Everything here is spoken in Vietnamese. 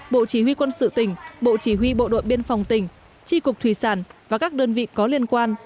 bộ chỉ huy quân sự tỉnh bộ chỉ huy bộ đội biên phòng tỉnh tri cục thủy sản và các đơn vị có liên quan